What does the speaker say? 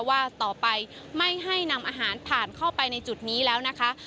ว่าต่อไปไม่ให้นำอาหารผ่านเข้าไปในจุดนี้แล้วนะคะ